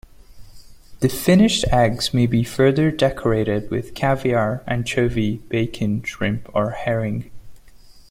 The finished eggs may be further decorated with caviar, anchovy, bacon, shrimp or herring.